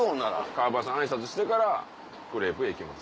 川畑さん挨拶してからクレープへ行きます。